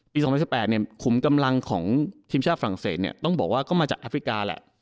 ๒๐๑๘เนี่ยขุมกำลังของทีมชาติฝรั่งเศสเนี่ยต้องบอกว่าก็มาจากแอฟริกาแหละ